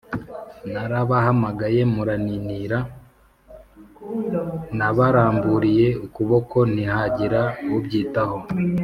narabahamagaye muraninira, nabaramburiye ukuboko ntihagira ubyitaho